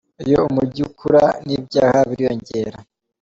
Iyo umujyi ukura n’ibyaha biriyongera